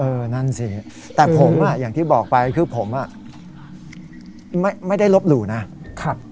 นั่นสิแต่ผมอ่ะอย่างที่บอกไปคือผมอ่ะไม่ได้ลบหลู่นะครับ